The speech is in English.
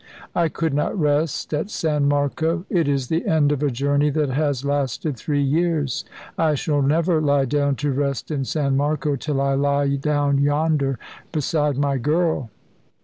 "I could not rest at San Marco. It is the end of a journey that has lasted three years. I shall never lie down to rest in San Marco till I lie down yonder, beside my girl."